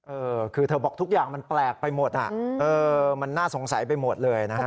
เออคือเธอบอกทุกอย่างมันแปลกไปหมดอ่ะเออมันน่าสงสัยไปหมดเลยนะฮะ